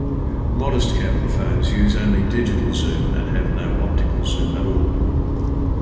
Modest camera phones use only digital zoom and have no optical zoom at all.